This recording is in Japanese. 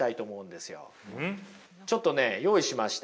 ちょっとね用意しました。